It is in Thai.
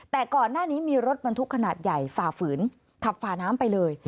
แต่ก่อนหน้านี้มีรถบรรทุกขนาดใหญ่ฝ่าฝืนขับฝ่าน้ำไปเลย